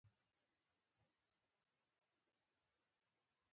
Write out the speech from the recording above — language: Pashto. د روغتیا په برخه کې بهرنۍ مرستې هم پر شرایطو ولاړې وي.